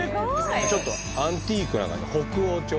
ちょっとアンティークな感じ。